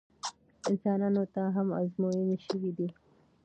انسانانو ته هم ازموینې شوي دي.